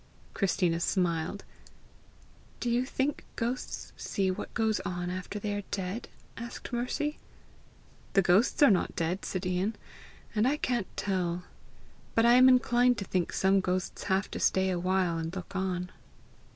Christina smiled. "Do you think ghosts see what goes on after they are dead?" asked Mercy. "The ghosts are not dead," said Ian, "and I can't tell. But I am inclined to think some ghosts have to stay a while and look on."